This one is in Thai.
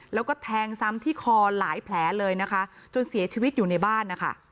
แล้วก็แทงซ้ำที่คอหลายแผลเลยนะคะจนเสียชีวิตอยู่ในบ้านนะคะ